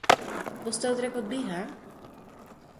Wolsto der ek wat by hawwe?